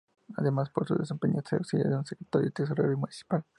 Además para su desempeño se auxilia de un Secretario y Tesorero Municipal.